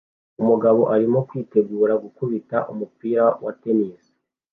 Umugabo arimo kwitegura gukubita umupira wa tennis